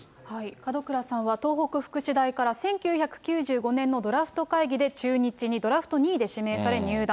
門倉さんは東北福祉大から１９９５年のドラフト会議で中日にドラフト２位で指名され入団。